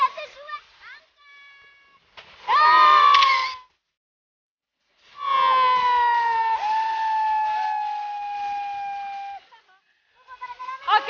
uyak uya fungsi tuh